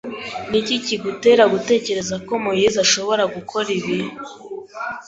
Niki kigutera gutekereza ko Moise ashobora gukora ibi?